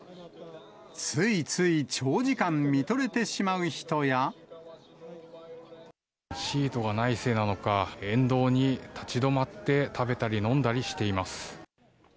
ついつい長時間見とれてしまシートがないせいなのか、沿道に立ち止まって食べたり飲んだりしています。